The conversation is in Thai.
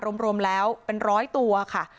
รวมแล้วเป็นร้อยตัวค่ะ